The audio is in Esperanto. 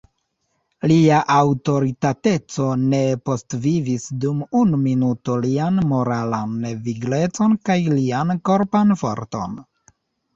Lia aŭtoritateco ne postvivis dum unu minuto lian moralan viglecon kaj lian korpan forton.